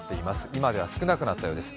今では少なくなったようです。